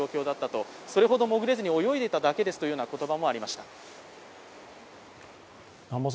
それほどそれほど、潜れずに泳いでいただけですという言葉もありました。